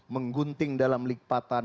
menggunting dalam likpatan